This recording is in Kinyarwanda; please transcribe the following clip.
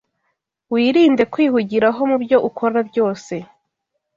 wirinde kwihugiraho mu byo ukora byose